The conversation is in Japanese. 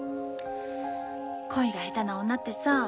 恋が下手な女ってさ